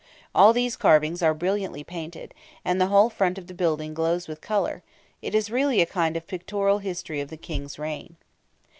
All these carvings are brilliantly painted, and the whole front of the building glows with colour; it is really a kind of pictorial history of the King's reign.